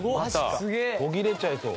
途切れちゃいそう。